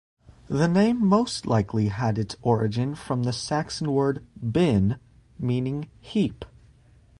The name most likely has its origin from the Saxon word "bin", meaning "heap".